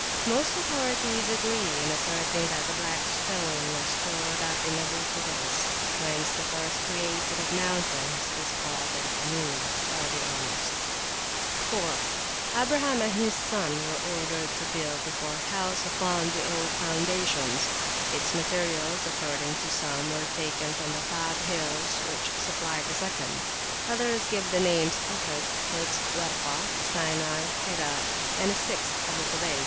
Most authorities agree in asserting that the Black Stone was stored up in Abu Kubays, whence that first created of mountains is called Al Amin, the Honest. 4. Abraham and his son were ordered to build the fourth house upon the old foundations: its materials, according to some, were taken from the five hills which supplied the second; others give the names Ohod, Kuds, Warka, Sinai, Hira, and a sixth, Abu Kubays.